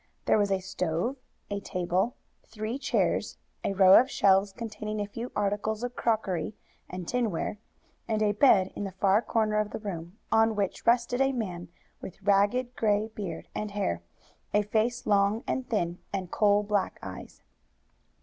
There was a stove, a table, three chairs, a row of shelves containing a few articles of crockery and tinware, and a bed in the far corner of the room, on which rested a man with ragged gray beard and hair, a face long and thin, and coal black eyes.